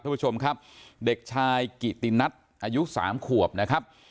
ผู้ชมครับเด็กชายกิตินัทอายุสามขวบนะครับ